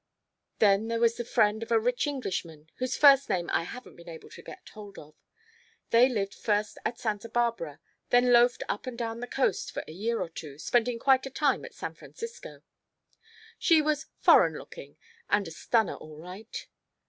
Then there was the friend of a rich Englishman, whose first name I haven't been able to get hold of. They lived first at Santa Barbara, then loafed up and down the coast for a year or two, spending quite a time in San Francisco. She was 'foreign looking' and a stunner, all right.